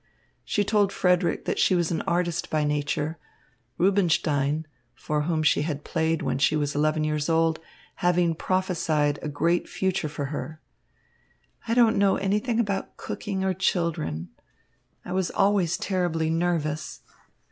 She told Frederick that she was an artist by nature, Rubinstein, for whom she had played when she was eleven years old, having prophesied a great future for her. "I don't know anything about cooking or children. I was always terribly nervous.